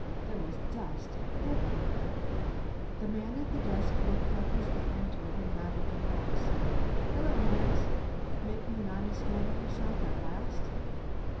There was dust everywhere. The man at the desk looked up as they entered and nodded to Hawkes. "Hello, Max. Making an honest man of yourself at last?"